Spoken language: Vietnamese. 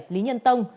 lý nhân tông